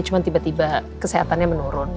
cuma tiba tiba kesehatannya menurun